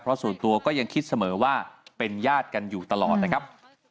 เพราะส่วนตัวก็ยังคิดเสมอว่าเป็นญาติกันอยู่ตลอดนะครับ